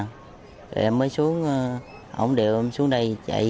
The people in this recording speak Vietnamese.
rồi em mới xuống ông điệu em xuống đây chạy